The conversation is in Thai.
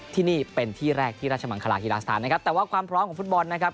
ที่นี่เป็นที่แรกที่ราชมังคลาฮีลาสถานนะครับแต่ว่าความพร้อมของฟุตบอลนะครับ